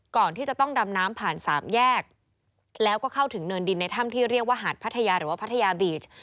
ก่อนที่จะต้องดำน้ำผ่านสามแยกแล้วก็เข้าถึงเนินดินในถ้ำที่เรียกว่าหาดพัทยาหรือว่าพัทยาบีช